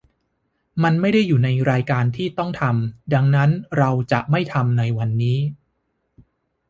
มันไม่ได้อยู่ในรายการที่ต้องทำ ดังนั้นเราจะไม่ทำในวันนี้